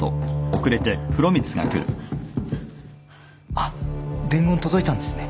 あっ伝言届いたんですね。